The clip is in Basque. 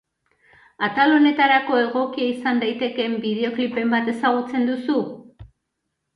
Atal honetarako egokia izan daitekeen bideoklipen bat ezagutzen duzu?